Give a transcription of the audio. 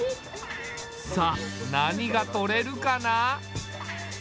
さあ何がとれるかな？